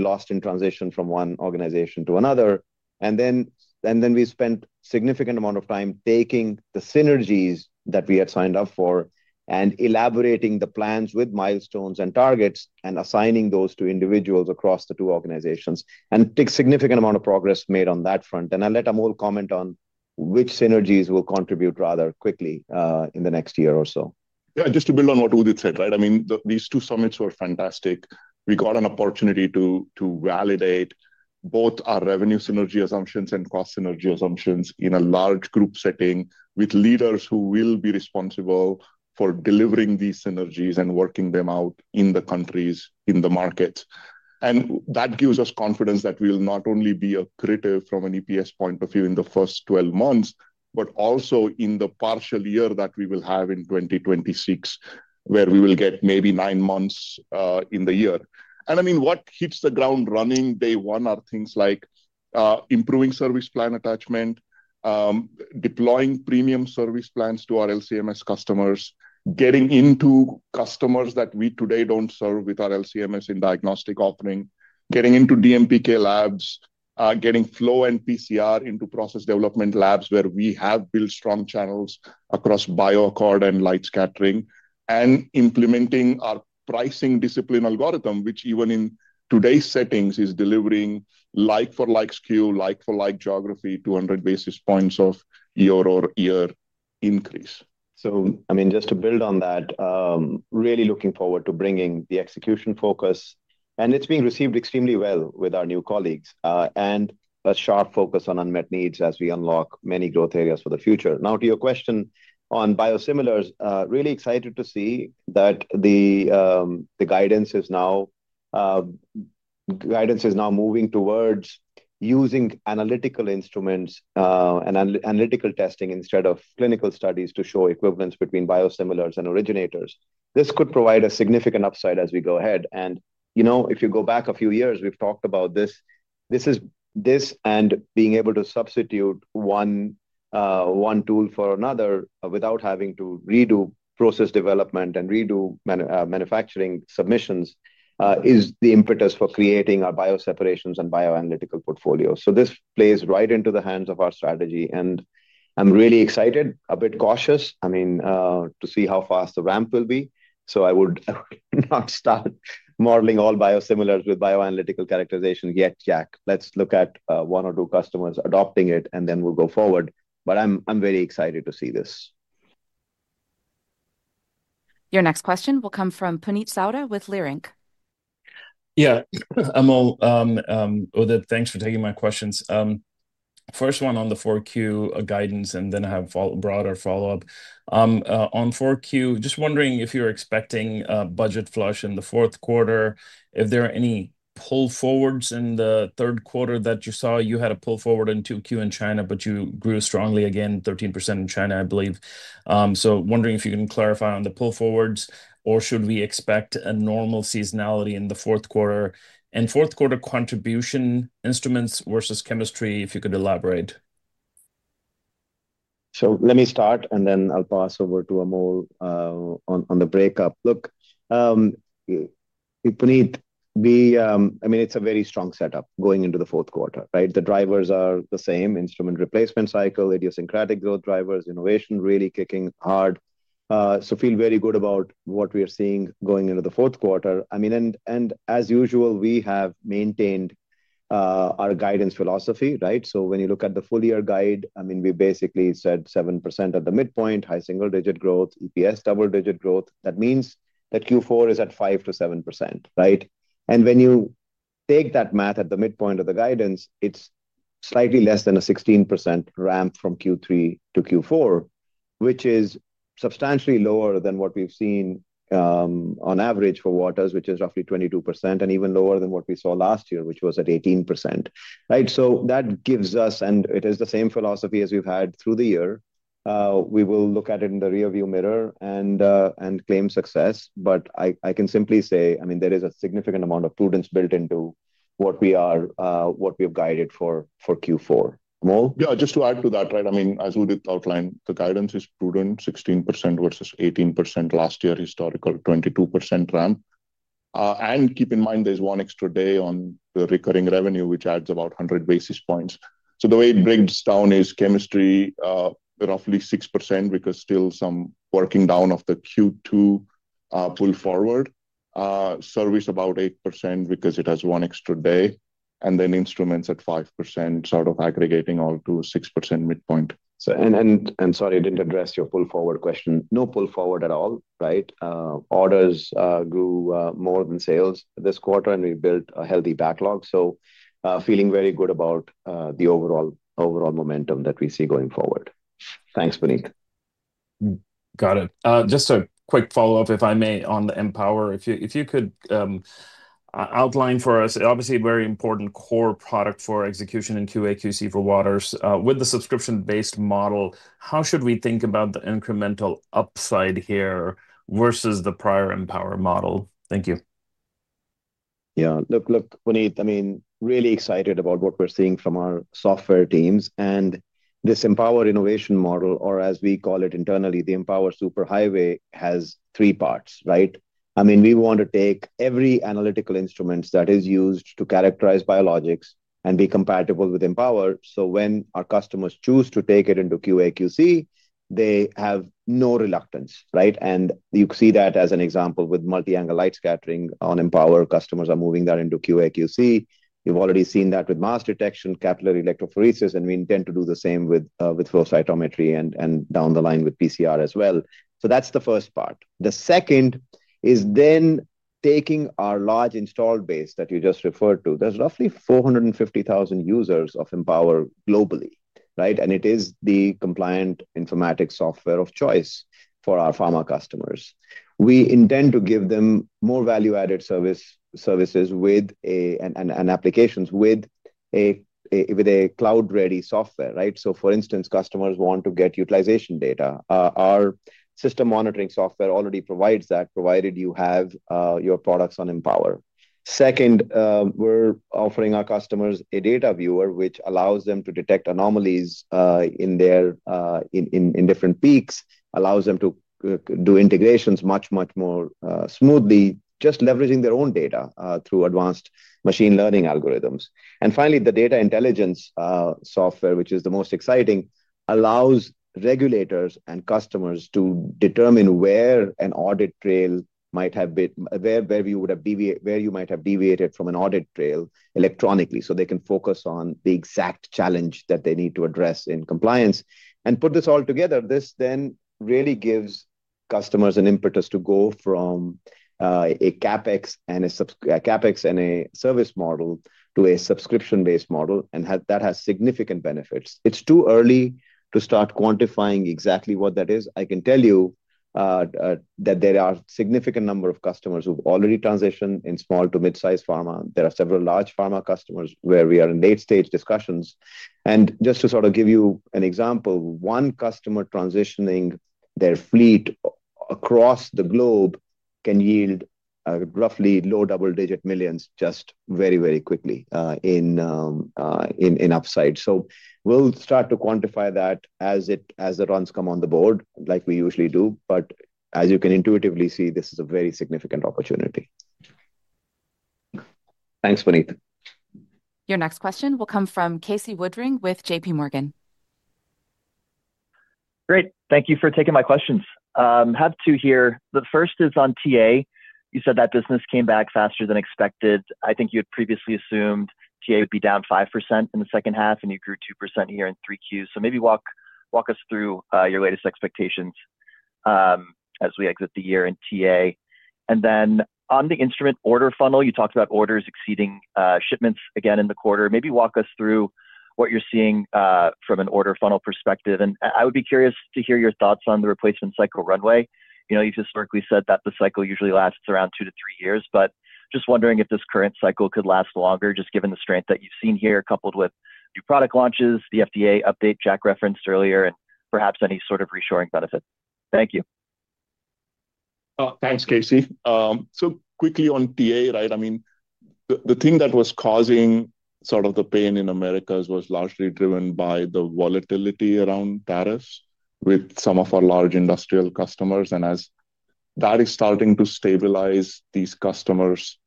lost in transition from one organization to another. We spent a significant amount of time taking the synergies that we had signed up for and elaborating the plans with milestones and targets and assigning those to individuals across the two organizations and took a significant amount of progress made on that front. I'll let Amol comment on which synergies will contribute rather quickly in the next year or so. Yeah, just to build on what Udit said, I mean, these two summits were fantastic. We got an opportunity to validate both our revenue synergy assumptions and cost synergy assumptions in a large group setting with leaders who will be responsible for delivering these synergies and working them out in the countries, in the markets. That gives us confidence that we will not only be accretive from an EPS point of view in the first 12 months, but also in the partial year that we will have in 2026, where we will get maybe nine months in the year. I mean, what hits the ground running day one are things like improving service plan attachment, deploying premium service plans to our LC-MS customers, getting into customers that we today do not serve with our LC-MS in diagnostic offering, getting into DMPK labs, getting flow and PCR into process development labs where we have built strong channels across biochar and light scattering, and implementing our pricing discipline algorithm, which even in today's settings is delivering like-for-like SKU, like-for-like geography, 200 basis points of year-over-year increase. Just to build on that, really looking forward to bringing the execution focus. It is being received extremely well with our new colleagues and a sharp focus on unmet needs as we unlock many growth areas for the future. Now, to your question on biosimilars, really excited to see that the guidance is now moving towards using analytical instruments and analytical testing instead of clinical studies to show equivalence between biosimilars and originators. This could provide a significant upside as we go ahead. If you go back a few years, we have talked about this. Being able to substitute one tool for another without having to redo process development and redo manufacturing submissions is the impetus for creating our bioseparations and bioanalytical portfolios. This plays right into the hands of our strategy. I am really excited, a bit cautious, to see how fast the ramp will be. I would not start modeling all biosimilars with bioanalytical characterization yet, Jack. Let's look at one or two customers adopting it, and then we will go forward. I am very excited to see this. Your next question will come from Puneet Souda with Leerink. Yeah, Amol. Udit, thanks for taking my questions. First one on the 4Q guidance, and then I have a broader follow-up. On 4Q, just wondering if you are expecting a budget flush in the fourth quarter. If there are any pull forwards in the third quarter that you saw, you had a pull forward in 2Q in China, but you grew strongly again, 13% in China, I believe. Wondering if you can clarify on the pull forwards, or should we expect a normal seasonality in the fourth quarter? And fourth quarter contribution instruments versus Chemistry, if you could elaborate. Let me start, and then I will pass over to Amol. On the breakup, look, Puneet, it is a very strong setup going into the fourth quarter. The drivers are the same: instrument replacement cycle, idiosyncratic growth drivers, innovation really kicking hard. I feel very good about what we are seeing going into the fourth quarter. As usual, we have maintained our guidance philosophy. So, when you look at the full year guide, I mean, we basically said 7% at the midpoint, high single-digit growth, EPS double-digit growth. That means that Q4 is at 5%-7%. And when you take that math at the midpoint of the guidance, it's slightly less than a 16% ramp from Q3 to Q4, which is substantially lower than what we've seen. On average for Waters, which is roughly 22%, and even lower than what we saw last year, which was at 18%. That gives us, and it is the same philosophy as we've had through the year. We will look at it in the rearview mirror and claim success. But I can simply say, I mean, there is a significant amount of prudence built into what we have guided for Q4. Amol? Yeah, just to add to that, I mean, as Udit outlined, the guidance is prudent, 16% versus 18% last year historical, 22% ramp. And keep in mind, there's one extra day on the recurring revenue, which adds about 100 basis points. The way it breaks down is Chemistry, roughly 6% because still some working down of the Q2 pull forward. Service about 8% because it has one extra day. And then instruments at 5%, sort of aggregating all to 6% midpoint. Sorry, I didn't address your pull forward question. No pull forward at all. Orders grew more than sales this quarter, and we built a healthy backlog. Feeling very good about the overall momentum that we see going forward. Thanks, Puneet. Got it. Just a quick follow-up, if I may, on the Empower. If you could outline for us, obviously very important core product for execution in QA/QC for Waters with the subscription-based model, how should we think about the incremental upside here versus the prior Empower model? Thank you. Yeah, look, Puneet, I mean, really excited about what we're seeing from our software teams. And this Empower innovation model, or as we call it internally, the Empower Superhighway, has three parts. I mean, we want to take every analytical instrument that is used to characterize biologics and be compatible with Empower. When our customers choose to take it into QA/QC, they have no reluctance. You see that as an example with multi-angle light scattering on Empower. Customers are moving that into QA/QC. You've already seen that with mass detection, capillary electrophoresis, and we intend to do the same with flow cytometry and down the line with PCR as well. That's the first part. The second is then taking our large installed base that you just referred to. There's roughly 450,000 users of Empower globally. It is the compliant informatics software of choice for our Pharma customers. We intend to give them more value-added services with applications with a cloud-ready software. For instance, customers want to get utilization data. Our system monitoring software already provides that, provided you have your products on Empower. Second. We're offering our customers a data viewer, which allows them to detect anomalies in different peaks, allows them to do integrations much, much more smoothly, just leveraging their own data through advanced machine learning algorithms. Finally, the data intelligence software, which is the most exciting, allows regulators and customers to determine where an audit trail might have been, where you might have deviated from an audit trail electronically. They can focus on the exact challenge that they need to address in compliance. Put this all together, this then really gives customers an impetus to go from a CapEx and a service model to a subscription-based model, and that has significant benefits. It's too early to start quantifying exactly what that is. I can tell you that there are a significant number of customers who've already transitioned in small to mid-sized Pharma. There are several large Pharma customers where we are in late-stage discussions. Just to sort of give you an example, one customer transitioning their fleet across the globe can yield roughly low double-digit millions just very, very quickly in upside. We'll start to quantify that as the runs come on the board, like we usually do. As you can intuitively see, this is a very significant opportunity. Thanks, Puneet. Your next question will come from Casey Woodring with JPMorgan. Great. Thank you for taking my questions. Have two here. The first is on TA. You said that business came back faster than expected. I think you had previously assumed TA would be down 5% in the second half, and you grew 2% here in 3Q. Maybe walk us through your latest expectations as we exit the year in TA. Then on the instrument order funnel, you talked about orders exceeding shipments again in the quarter. Maybe walk us through what you're seeing from an order funnel perspective. I would be curious to hear your thoughts on the replacement cycle runway. You've historically said that the cycle usually lasts around two to three years, but just wondering if this current cycle could last longer, just given the strength that you've seen here, coupled with new product launches, the FDA update Jack referenced earlier, and perhaps any sort of reshoring benefit. Thank you. Thanks, Casey. Quickly on TA, I mean, the thing that was causing sort of the pain in Americas was largely driven by the volatility around tariffs with some of our large industrial customers. As that is starting to stabilize, these customers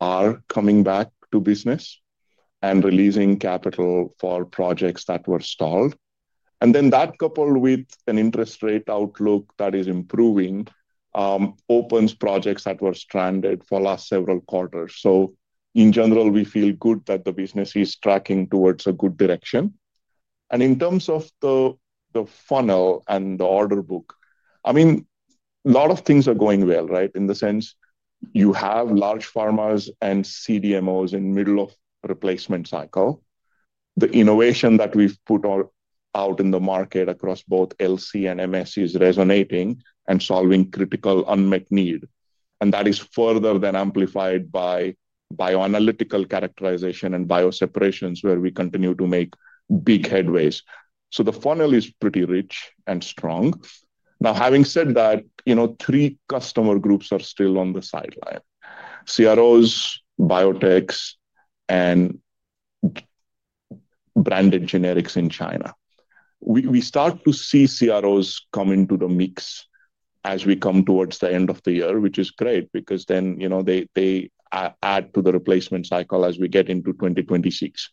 are coming back to business and releasing capital for projects that were stalled. That, coupled with an interest rate outlook that is improving, opens projects that were stranded for the last several quarters. In general, we feel good that the business is tracking towards a good direction. In terms of the funnel and the order book, I mean, a lot of things are going well in the sense you have large pharmas and CDMOs in the middle of a replacement cycle. The innovation that we've put out in the market across both LC & MS is resonating and solving critical unmet need. That is further then amplified by bioanalytical characterization and bioseparations, where we continue to make big headways. The funnel is pretty rich and strong. Now, having said that, three customer groups are still on the sideline: CROs, biotechs, and branded generics in China. We start to see CROs come into the mix as we come towards the end of the year, which is great because then they add to the replacement cycle as we get into 2026.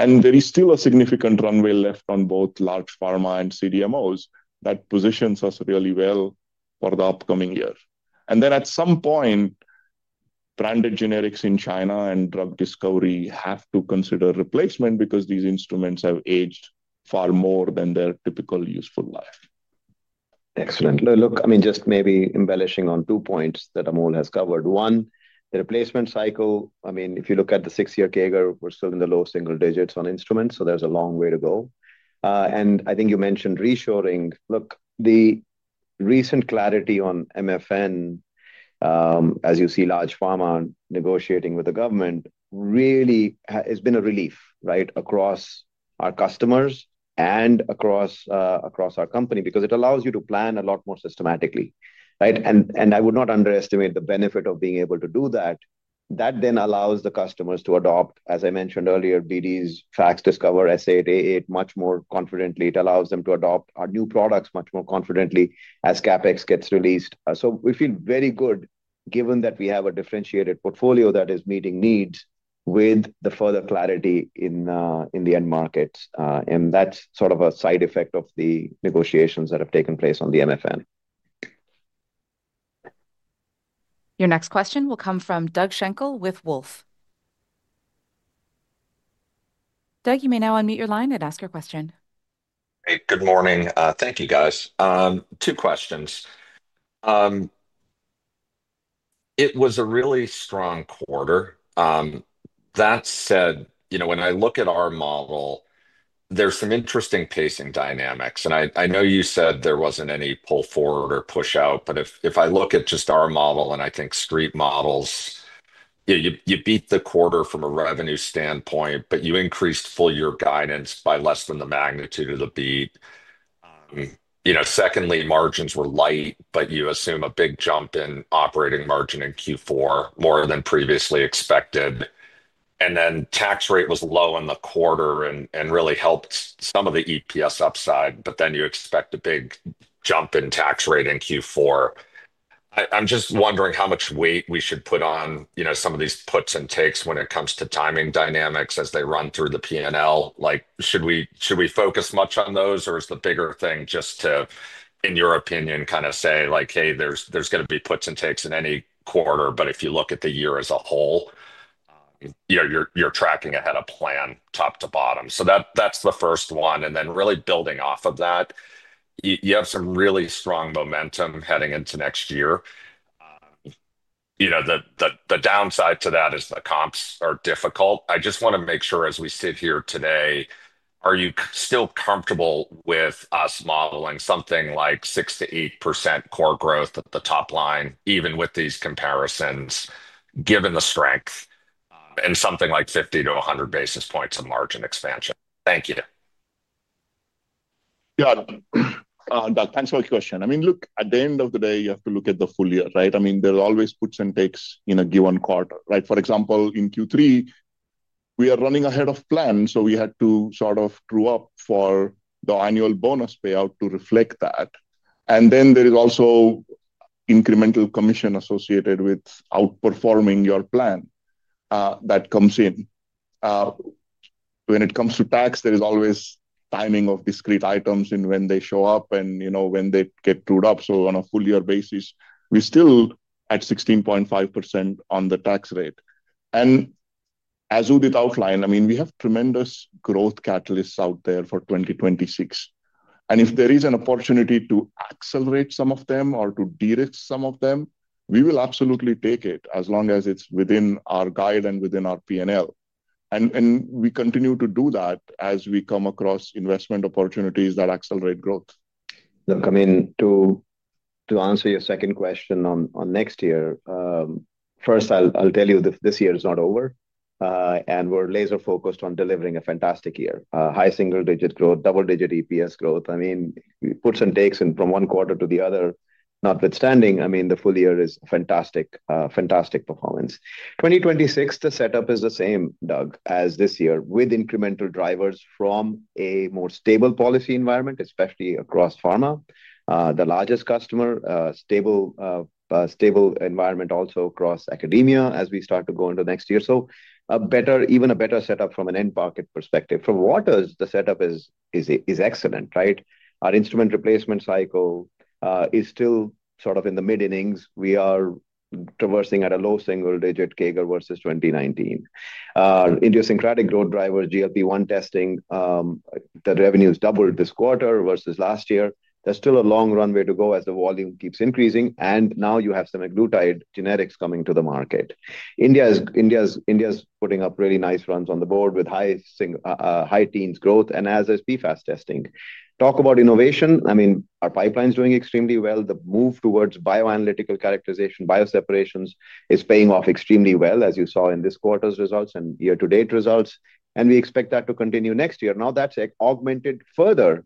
There is still a significant runway left on both large pharma and CDMOs that positions us really well for the upcoming year. At some point, branded generics in China and drug discovery have to consider replacement because these instruments have aged far more than their typical useful life. Excellent. Look, I mean, just maybe embellishing on two points that Amol has covered. One, the replacement cycle, I mean, if you look at the six-year CAGR, we're still in the low single digits on instruments, so there's a long way to go. I think you mentioned reshoring. Look, the recent clarity on MFN, as you see large pharma negotiating with the government, really has been a relief across our customers and across our company because it allows you to plan a lot more systematically. I would not underestimate the benefit of being able to do that. That then allows the customers to adopt, as I mentioned earlier, BD's FACSDiscover S8, A8 much more confidently. It allows them to adopt our new products much more confidently as CapEx gets released. We feel very good given that we have a differentiated portfolio that is meeting needs with the further clarity in the end markets. That is sort of a side effect of the negotiations that have taken place on the MFN. Your next question will come from Doug Schenkel with Wolfe. Doug, you may now unmute your line and ask your question. Hey, good morning. Thank you, guys. Two questions. It was a really strong quarter. That said, when I look at our model, there's some interesting pacing dynamics. I know you said there was not any pull forward or push out, but if I look at just our model and I think street models, you beat the quarter from a revenue standpoint, but you increased full year guidance by less than the magnitude of the beat. Secondly, margins were light, but you assume a big jump in operating margin in Q4, more than previously expected. Then tax rate was low in the quarter and really helped some of the EPS upside, but then you expect a big jump in tax rate in Q4. I'm just wondering how much weight we should put on some of these puts and takes when it comes to timing dynamics as they run through the P&L. Should we focus much on those, or is the bigger thing just to, in your opinion, kind of say, like, "Hey, there's going to be puts and takes in any quarter, but if you look at the year as a whole, you're tracking ahead of plan top to bottom." So that's the first one. And then really building off of that, you have some really strong momentum heading into next year. The downside to that is the comps are difficult. I just want to make sure as we sit here today, are you still comfortable with us modeling something like 6-8% core growth at the top line, even with these comparisons, given the strength, and something like 50-100 basis points of margin expansion? Thank you. Yeah. Doug, thanks for the question. I mean, look, at the end of the day, you have to look at the full year. I mean, there are always puts and takes in a given quarter. For example, in Q3, we are running ahead of plan, so we had to sort of screw up for the annual bonus payout to reflect that. And then there is also incremental commission associated with outperforming your plan. That comes in. When it comes to tax, there is always timing of discrete items and when they show up and when they get screwed up. So, on a full year basis, we're still at 16.5% on the tax rate. And as Udit outlined, I mean, we have tremendous growth catalysts out there for 2026. And if there is an opportunity to accelerate some of them or to de-risk some of them, we will absolutely take it as long as it's within our guide and within our P&L. And we continue to do that as we come across investment opportunities that accelerate growth. Look, I mean, to answer your second question on next year. First, I'll tell you this year is not over, and we're laser-focused on delivering a fantastic year. High single-digit growth, double-digit EPS growth. I mean, puts and takes from one quarter to the other, notwithstanding, I mean, the full year is fantastic performance. 2026, the setup is the same, Doug, as this year, with incremental drivers from a more stable policy environment, especially across Pharma. The largest customer, stable environment also across academia as we start to go into next year. Even a better setup from an end market perspective. For Waters, the setup is excellent. Our instrument replacement cycle is still sort of in the mid-innings. We are traversing at a low single-digit CAGR versus 2019. Idiosyncratic growth drivers, GLP-1 testing, the revenues doubled this quarter versus last year. There's still a long runway to go as the volume keeps increasing. And now you have some agglutinated genetics coming to the market. India's putting up really nice runs on the board with high teens growth and as is PFAS testing. Talk about innovation. I mean, our pipeline is doing extremely well. The move towards bioanalytical characterization, bioseparations is paying off extremely well, as you saw in this quarter's results and year-to-date results. We expect that to continue next year. Now, that's augmented further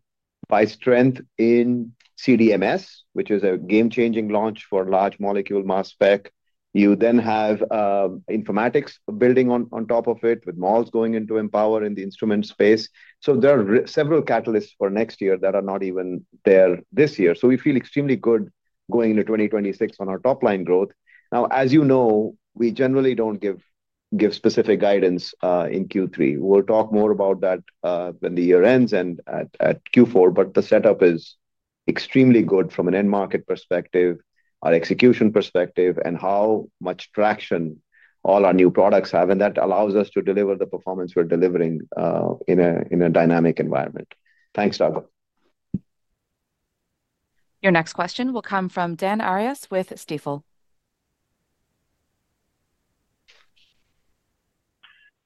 by strength in CDMS, which is a game-changing launch for large molecule mass spec. You then have informatics building on top of it with models going into Empower in the instrument space. There are several catalysts for next year that are not even there this year. We feel extremely good going into 2026 on our top-line growth. Now, as you know, we generally don't give specific guidance in Q3. We'll talk more about that when the year ends and at Q4, but the setup is extremely good from an end market perspective, our execution perspective, and how much traction all our new products have. That allows us to deliver the performance we're delivering in a dynamic environment. Thanks, Doug. Your next question will come from Dan Arias with Stifel.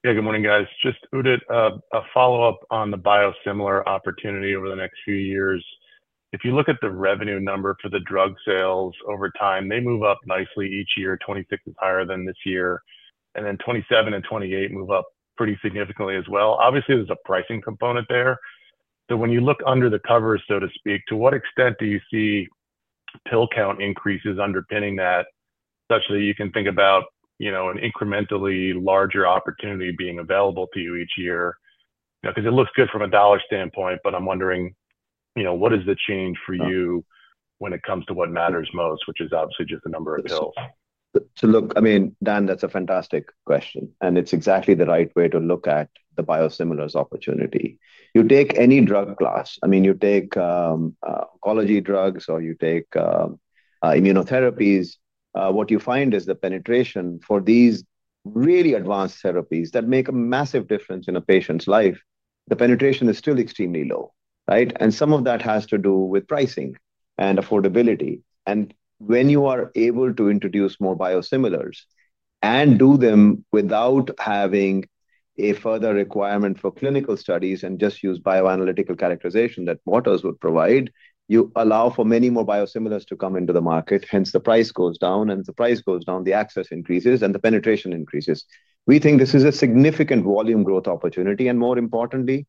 Yeah, good morning, guys. Just Udit, a follow-up on the biosimilar opportunity over the next few years. If you look at the revenue number for the drug sales over time, they move up nicely each year. 2026 is higher than this year. Then 2027 and 2028 move up pretty significantly as well. Obviously, there's a pricing component there. When you look under the cover, so to speak, to what extent do you see pill count increases underpinning that such that you can think about an incrementally larger opportunity being available to you each year? Because it looks good from a dollar standpoint, but I'm wondering what is the change for you when it comes to what matters most, which is obviously just the number of pills? So, look, I mean, Dan, that's a fantastic question. It's exactly the right way to look at the biosimilars opportunity. You take any drug class. I mean, you take oncology drugs or you take immunotherapies. What you find is the penetration for these really advanced therapies that make a massive difference in a patient's life, the penetration is still extremely low. Some of that has to do with pricing and affordability. When you are able to introduce more biosimilars and do them without having a further requirement for clinical studies and just use bioanalytical characterization that Waters would provide, you allow for many more biosimilars to come into the market. Hence, the price goes down. The price goes down, the access increases, and the penetration increases. We think this is a significant volume growth opportunity. More importantly,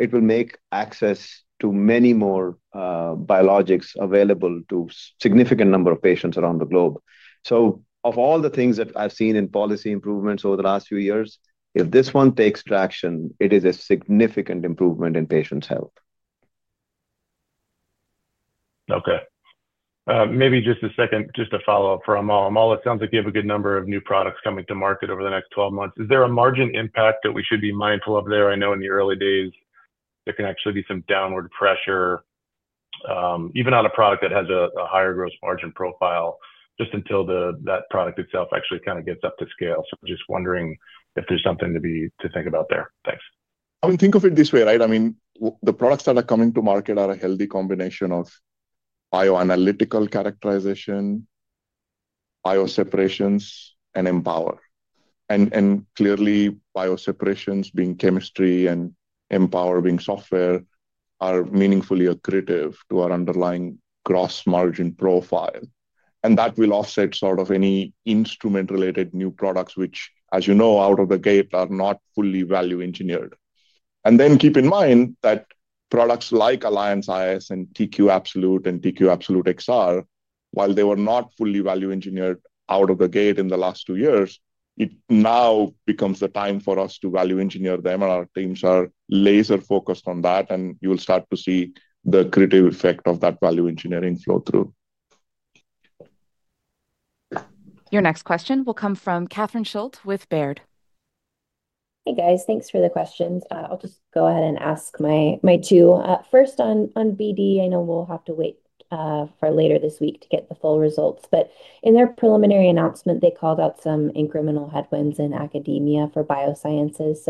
it will make access to many more biologics available to a significant number of patients around the globe. So, of all the things that I've seen in policy improvements over the last few years, if this one takes traction, it is a significant improvement in patients' health. Okay. Maybe just a second, just a follow-up for Amol. Amol, it sounds like you have a good number of new products coming to market over the next 12 months. Is there a margin impact that we should be mindful of there? I know in the early days, there can actually be some downward pressure. Even on a product that has a higher gross margin profile, just until that product itself actually kind of gets up to scale. So, just wondering if there's something to think about there. Thanks. I mean, think of it this way. I mean, the products that are coming to market are a healthy combination of bioanalytical characterization, bioseparations, and Empower. And clearly, bioseparations being Chemistry and Empower being software are meaningfully accretive to our underlying gross margin profile. And that will offset sort of any instrument-related new products, which, as you know, out of the gate are not fully value engineered. Keep in mind that products like Alliance iS and TQ Absolute and TQ Absolute XR, while they were not fully value engineered out of the gate in the last two years, it now becomes the time for us to value engineer them. Our teams are laser-focused on that. You will start to see the accretive effect of that value engineering flow through. Your next question will come from Catherine Schulte with Baird. Hey, guys. Thanks for the questions. I'll just go ahead and ask my two. First, on BD, I know we'll have to wait for later this week to get the full results. In their preliminary announcement, they called out some incremental headwinds in academia for biosciences.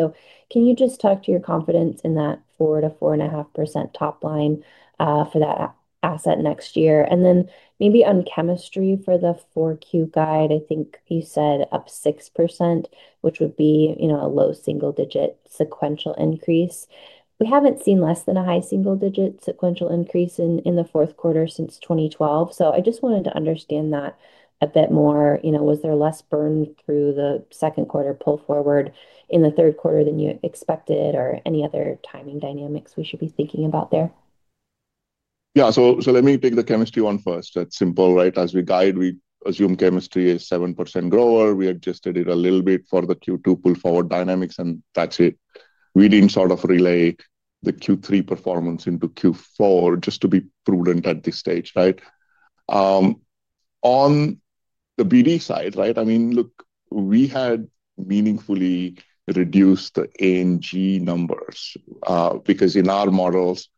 Can you just talk to your confidence in that 4%-4.5% top line for that asset next year? Maybe on Chemistry for the Q4 guide, I think you said up 6%, which would be a low single-digit sequential increase. We haven't seen less than a high single-digit sequential increase in the fourth quarter since 2012. I just wanted to understand that a bit more. Was there less burn through the second quarter pull forward in the third quarter than you expected, or any other timing dynamics we should be thinking about there? Yeah. Let me pick the Chemistry one first. That's simple. As we guide, we assume Chemistry is a 7% grower. We adjusted it a little bit for the Q2 pull forward dynamics, and that's it. We didn't sort of relay the Q3 performance into Q4 just to be prudent at this stage. On the BD side, I mean, look, we had meaningfully reduced the [ANG] numbers because in our models,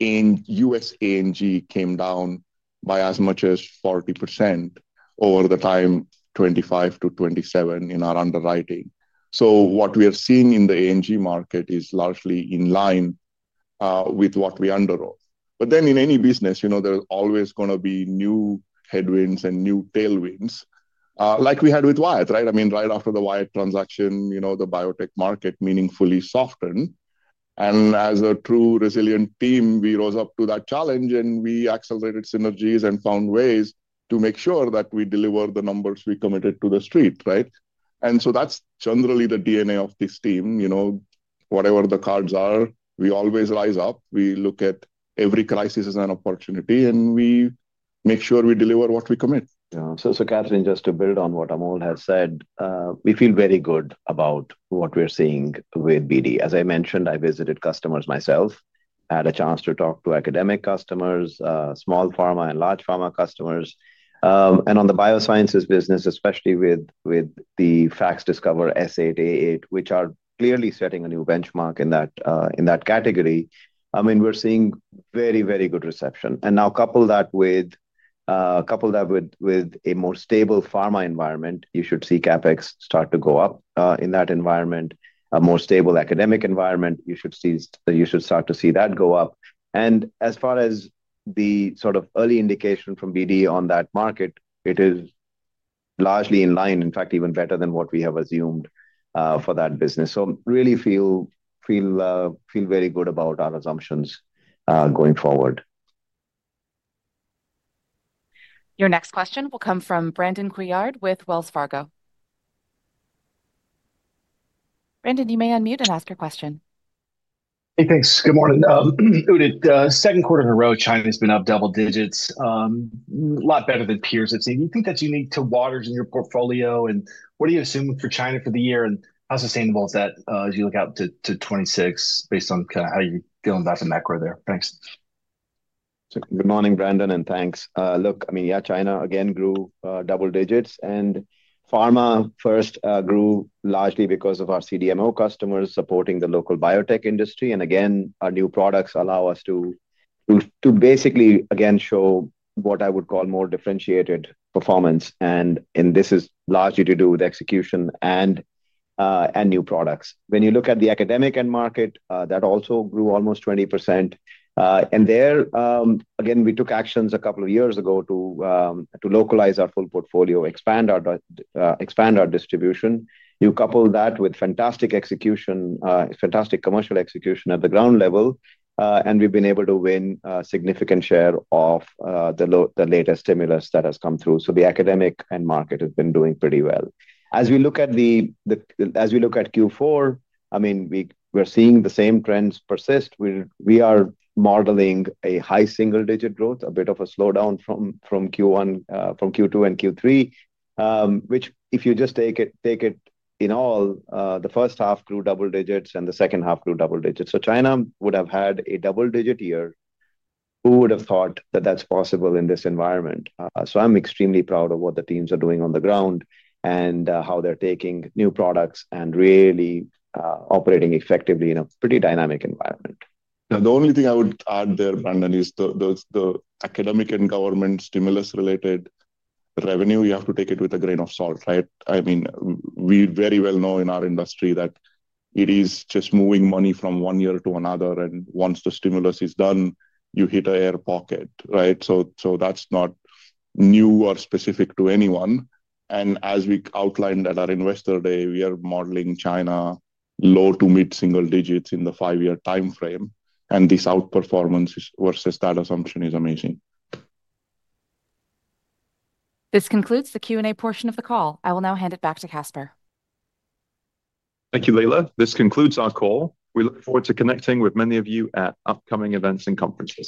U.S. [ANG] came down by as much as 40% over the time 2025-2027 in our underwriting. So, what we are seeing in the [ANG] market is largely in line with what we underwrote. In any business, there's always going to be new headwinds and new tailwinds, like we had with Wyatt. I mean, right after the Wyatt transaction, the biotech market meaningfully softened. As a true resilient team, we rose up to that challenge, and we accelerated synergies and found ways to make sure that we deliver the numbers we committed to the street. That's generally the DNA of this team. Whatever the cards are, we always rise up. We look at every crisis as an opportunity, and we make sure we deliver what we commit. Catherine, just to build on what Amol has said, we feel very good about what we're seeing with BD. As I mentioned, I visited customers myself, had a chance to talk to academic customers, small Pharma and large Pharma customers. On the Biosciences business, especially with the FACSDiscover S8, A8, which are clearly setting a new benchmark in that category, I mean, we're seeing very, very good reception. Couple that with a more stable Pharma environment, you should see CapEx start to go up in that environment. A more stable academic environment, you should start to see that go up. As far as the sort of early indication from BD on that market, it is largely in line, in fact, even better than what we have assumed for that business. Really feel very good about our assumptions going forward. Your next question will come from Brandon Couillard with Wells Fargo. Brandon, you may unmute and ask your question. Hey, thanks. Good morning. Udit, second quarter in a row, China has been up double digits. A lot better than peers have seen. Do you think that's unique to Waters in your portfolio? What do you assume for China for the year, and how sustainable is that as you look out to 2026 based on kind of how you're feeling about the macro there? Thanks. Good morning, Brandon, and thanks. Look, I mean, yeah, China again grew double digits. Pharma first grew largely because of our CDMO customers supporting the local biotech industry. Again, our new products allow us to basically, again, show what I would call more differentiated performance. This is largely to do with execution and new products. When you look at the academic end market, that also grew almost 20%. There, again, we took actions a couple of years ago to localize our full portfolio, expand our distribution. You couple that with fantastic execution, fantastic commercial execution at the ground level, and we've been able to win a significant share of the latest stimulus that has come through. The academic end market has been doing pretty well. As we look at Q4, we're seeing the same trends persist. We are modeling a high single-digit growth, a bit of a slowdown from Q2 and Q3. Which, if you just take it in all, the first half grew double digits and the second half grew double digits. China would have had a double-digit year. Who would have thought that that's possible in this environment? I am extremely proud of what the teams are doing on the ground and how they are taking new products and really operating effectively in a pretty dynamic environment. The only thing I would add there, Brandon, is the academic and government stimulus-related revenue, you have to take it with a grain of salt. I mean, we very well know in our industry that it is just moving money from one year to another. Once the stimulus is done, you hit an air pocket. That is not new or specific to anyone. As we outlined at our investor day, we are modeling China low to mid-single digits in the five-year time frame. This outperformance versus that assumption is amazing. This concludes the Q&A portion of the call. I will now hand it back to Caspar. Thank you, Leila. This concludes our call. We look forward to connecting with many of you at upcoming events and conferences.